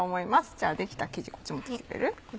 じゃあできた生地こっち持ってきてくれる？